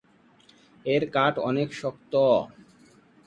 এর কাঠ অনেক শক্ত।